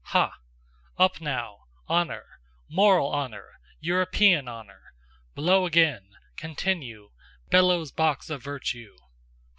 Ha! Up now! honour! Moral honour! European honour! Blow again, continue, Bellows box of virtue!